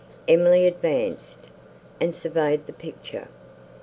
Emily advanced, and surveyed the picture.